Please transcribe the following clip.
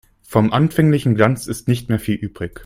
Vom anfänglichen Glanz ist nicht mehr viel übrig.